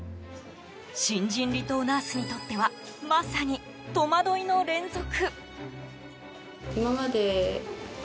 新人離島ナースにとってはまさに、戸惑いの連続。